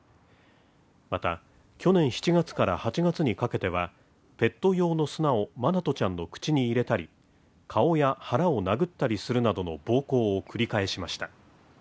また去年７月から８月にかけてはペット用の砂を愛翔ちゃんの口に入れたり顔や腹を殴ったりするなどの暴行を繰り返しました。